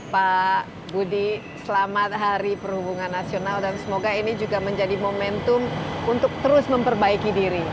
pak budi selamat hari perhubungan nasional dan semoga ini juga menjadi momentum untuk terus memperbaiki diri